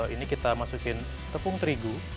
ini kita masukin tepung terigu